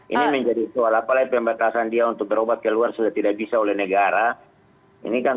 ini menjadi soal apalagi pembatasan dia untuk berobat ke luar sudah tidak bisa oleh negara ini kan